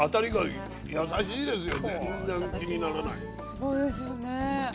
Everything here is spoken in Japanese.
すごいですよね。